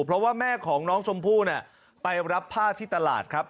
เพราะว่าแม่ของน้องชมพู่ไปรับผ้าที่ตลาดครับ